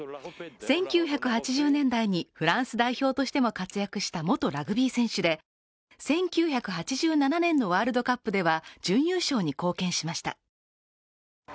１９８０年代にフランス代表としても活躍した元ラグビー選手で１９８７年のワールドカップでは準優勝に貢献しました。